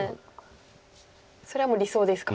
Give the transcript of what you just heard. それはもう理想ですか。